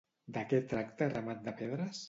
De què tracta Ramat de Pedres?